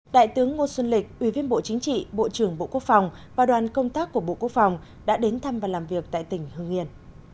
đại tướng ngô xuân lịch ủy viên bộ chính trị bộ trưởng bộ quốc phòng và đoàn công tác của bộ quốc phòng đã đến thăm và làm việc tại tỉnh hương yên